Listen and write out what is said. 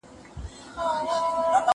که وخت وي، سبزیجات جمع کوم؟